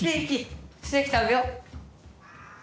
ステーキ食べよう。